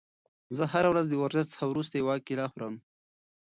زه هره ورځ د ورزش څخه وروسته یوه کیله خورم.